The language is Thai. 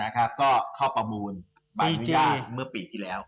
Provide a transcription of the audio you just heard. ก็เข้าประมูลใบอนุญาตเมื่อปีที่แล้ว